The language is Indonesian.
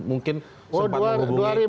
mungkin sempat menghubungi